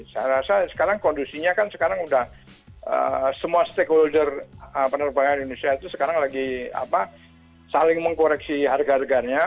saya rasa sekarang kondisinya kan sekarang udah semua stakeholder penerbangan indonesia itu sekarang lagi saling mengkoreksi harga harganya